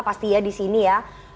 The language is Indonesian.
pasti ya di sini ya